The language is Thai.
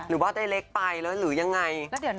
หรือว่าได้เล็กไปแล้วหรือยังไง